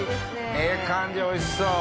ええ感じおいしそう。